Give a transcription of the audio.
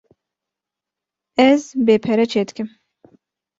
Ez bê pere çê dikim.